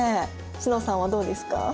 詩乃さんはどうですか？